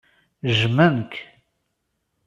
Jjmen-k.